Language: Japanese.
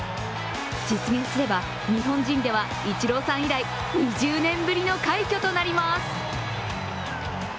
実現すれば、日本人ではイチローさん以来２０年ぶりの快挙となります。